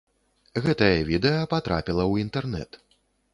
Гэтае відэа патрапіла ў інтэрнэт.